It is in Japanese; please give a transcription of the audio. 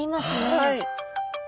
はい。